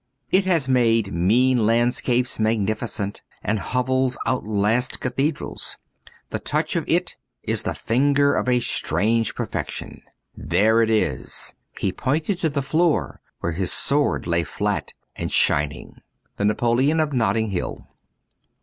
It has made mean landscapes magnificent and hovels outlast cathedrals. The touch of it is the finger of a strange perfection. * There it is !'— he pointed to the floor where his sword lay flat and shining. ^Ihe Napoleon of Notting Hill.''